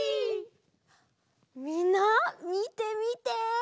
みんなみてみて！